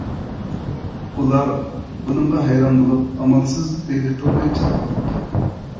ئۇلار بۇنىڭغا ھەيران بولۇپ ئامالسىز دىرېكتورنى چاقىرتىپتۇ.